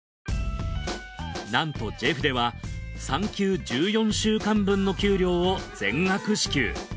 なんとジェフでは産休１４週間分の給料を全額支給。